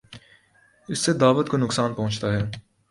اس سے دعوت کو نقصان پہنچتا ہے۔